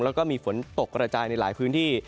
แล้วก็มีฝนตกกระจายในหลายพื้นที่